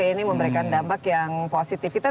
ini memberikan dampak yang positif kita